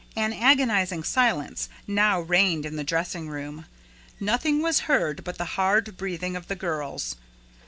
An agonizing silence now reigned in the dressing room. Nothing was heard but the hard breathing of the girls.